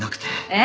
え？